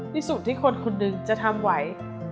ที่สุดที่คนคนนึงจะทำไว้